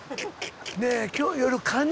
「ねえ今日夜カニ？」。